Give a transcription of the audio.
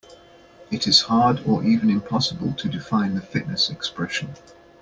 It is hard or even impossible to define the fitness expression.